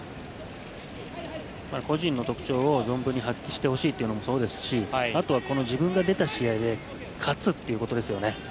個人の特徴を存分に発揮してほしいというのもそうですしあとは、自分が出た試合で勝つということですよね。